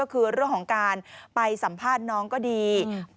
ก็คือเรื่องของการไปสัมภาษณ์น้องก็ดี